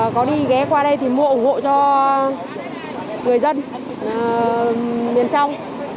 có đi ghé qua đây thì mua ủng hộ cho người dân miền trong